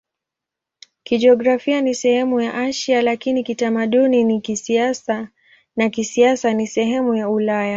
Kijiografia ni sehemu ya Asia, lakini kiutamaduni na kisiasa ni sehemu ya Ulaya.